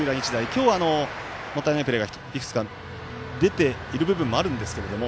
今日はもったいないプレーがいくつか出ているところはあるんですけれども。